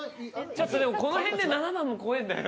この辺で７もこえぇんだよな。